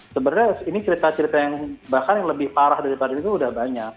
sebenarnya ini cerita cerita yang bahkan yang lebih parah daripada itu udah banyak